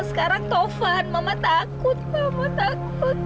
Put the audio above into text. sekarang tovan mama takut mama takut